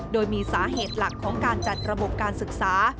โดยมีสาเหตุหลักของการจัดระบบการศึกษา